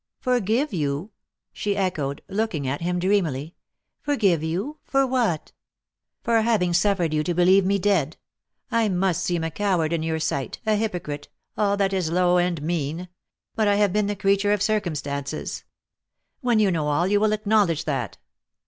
"Forgive you!" she echoed, looking at him dreamily; "for give you — for what?" " For having suffered you to believe me dead. I must seem a coward in your sight — a hypocrite — all that is low and mean; but I have been the creature of circumstances. When you know all, you will acknowledge that."